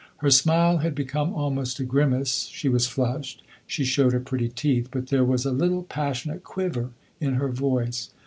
Her smile had become almost a grimace, she was flushed, she showed her pretty teeth; but there was a little passionate quiver in her voice.